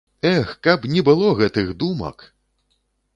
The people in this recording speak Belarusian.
Эх, каб не было гэтых думак!